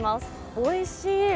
おいしい！